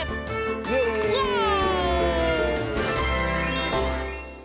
イエーイ！